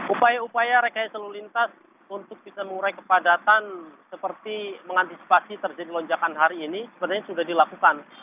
upaya upaya rekayasa lalu lintas untuk bisa mengurai kepadatan seperti mengantisipasi terjadi lonjakan hari ini sebenarnya sudah dilakukan